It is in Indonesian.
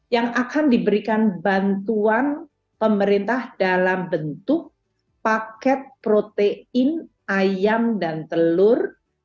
yang akan diberikan bantuan pemerintah dalam bentuk paket protein ayam dan telur